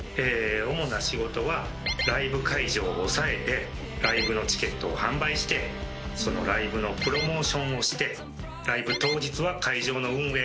主な仕事はライブ会場を押さえてライブのチケットを販売してそのライブのプロモーションをしてライブ当日は会場の運営。